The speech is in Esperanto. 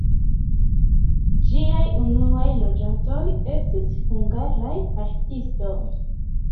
Ĝiaj unuaj loĝantoj estis hungaraj paŝtistoj.